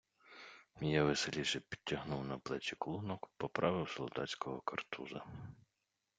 Я веселіше підтягнув на плечі клунок, поправив солдатського картуза.